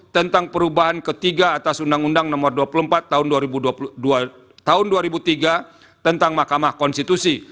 tentang perubahan ketiga atas undang undang nomor dua puluh empat tahun dua ribu tiga tentang mahkamah konstitusi